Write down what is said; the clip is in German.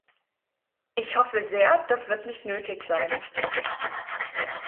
Ich hoffe sehr, das wird nicht nötig sein.